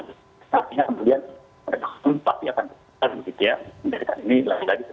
faktanya kemudian mereka pun pasti akan berbicara gitu ya